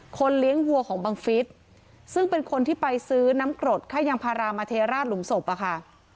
เลี้ยงวัวของบังฟิศซึ่งเป็นคนที่ไปซื้อน้ำกรดค่ายางพารามาเทราดหลุมศพอะค่ะ